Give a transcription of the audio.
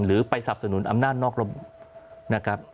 หรือไปสับสนุนอำนาจนอกระบบนะครับ